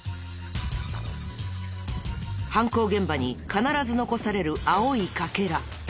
犯行現場に必ず残される青い欠片。